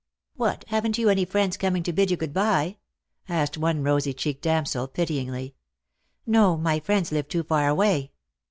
" What ! haven't you any friends coming to bid you good bye ?" asked one rosy cheeked damsel pityingly. "No, my friends live too far away."